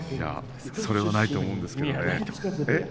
それはないと思うんですけどね。